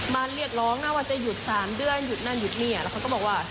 มาเรียกร้องนะว่าจะหยุด๓เดือนหยุดนั่นหยุดนี่แล้วเขาก็บอกว่า